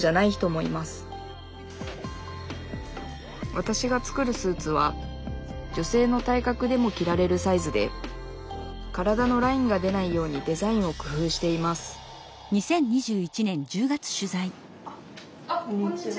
わたしが作るスーツは女性の体格でも着られるサイズで体のラインが出ないようにデザインをくふうしていますあっこんにちは。